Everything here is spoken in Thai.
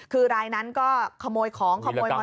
คือลายนั้นก็ขโมยของขโมยมอเตอร์ไซค์